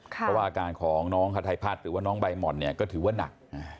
เพราะว่าอาการของน้องฮาไทยพัฒน์หรือว่าน้องใบหม่อนเนี่ยก็ถือว่านัก